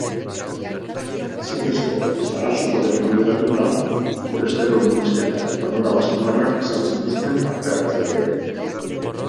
Azukrezko sagar zukuarekin alderatuta, kolesterol murrizketa eta onura baskularrak izan zituzten parte-hartzaileek.